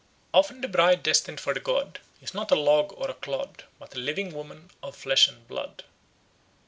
Often the bride destined for the god is not a log or a cloud, but a living woman of flesh and blood.